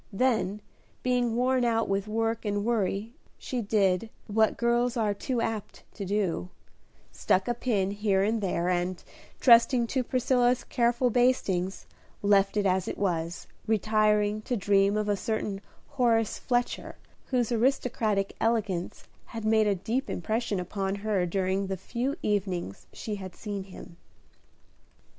Then, being worn out with work and worry, she did, what girls are too apt to do, stuck a pin here and there, and, trusting to Priscilla's careful bastings, left it as it was, retiring to dream of a certain Horace Fletcher, whose aristocratic elegance had made a deep impression upon her during the few evenings she had seen him.